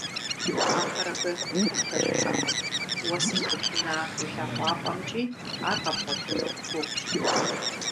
Ахэр абы лъэщIыхьэркъым, уэсым къыхина и лъакъуапIэмкIи ар къэбгъуэтыну гугъущ.